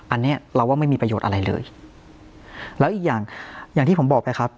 อันนี้เราว่าไม่มีประโยชน์อะไรเลยแล้วอีกอย่างอย่างที่ผมบอกไปครับ